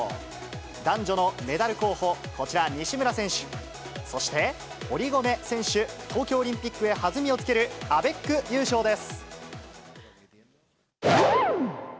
男女のメダル候補、こちら、西村選手、そして堀米選手、東京オリンピックへ弾みをつける、アベック優勝です。